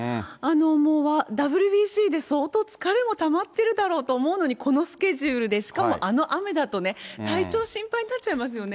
もうＷＢＣで相当疲れもたまってるだろうと思うのにこのスケジュールで、しかもあの雨だとね、体調心配になっちゃいますよね。